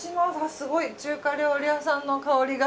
すごい中華料理屋さんの香りが。